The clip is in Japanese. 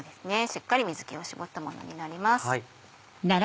しっかり水気を絞ったものになります。